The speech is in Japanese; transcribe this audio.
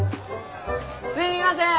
すみません！